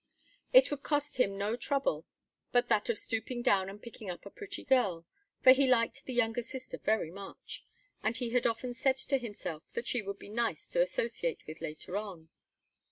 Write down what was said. It would cost him no trouble but that of stooping down and picking up a pretty girl, for he liked the younger sister very much, and he had often said to himself that she would be nice to associate with later on.